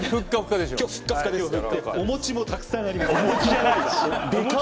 でかお餅もたくさんあります。